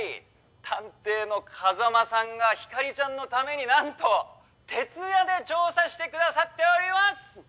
探偵の風真さんが光莉ちゃんのためになんと徹夜で調査してくださっております！